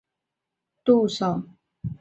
鱼干女嫁唐御侮校尉杜守。